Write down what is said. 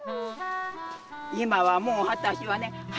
今はもう私はね